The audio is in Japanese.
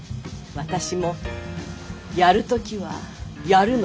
私もやる時はやるのよ。